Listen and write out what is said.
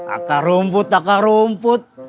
akar rumput akar rumput